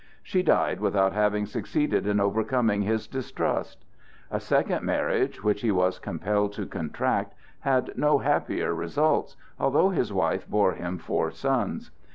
She died without having succeeded in overcoming his distrust. A second marriage, which he was compelled to contract, had no happier results, although his wife bore him four sons.